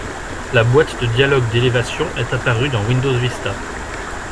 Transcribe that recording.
La boîte de dialogue d'élévation est apparue dans Windows Vista.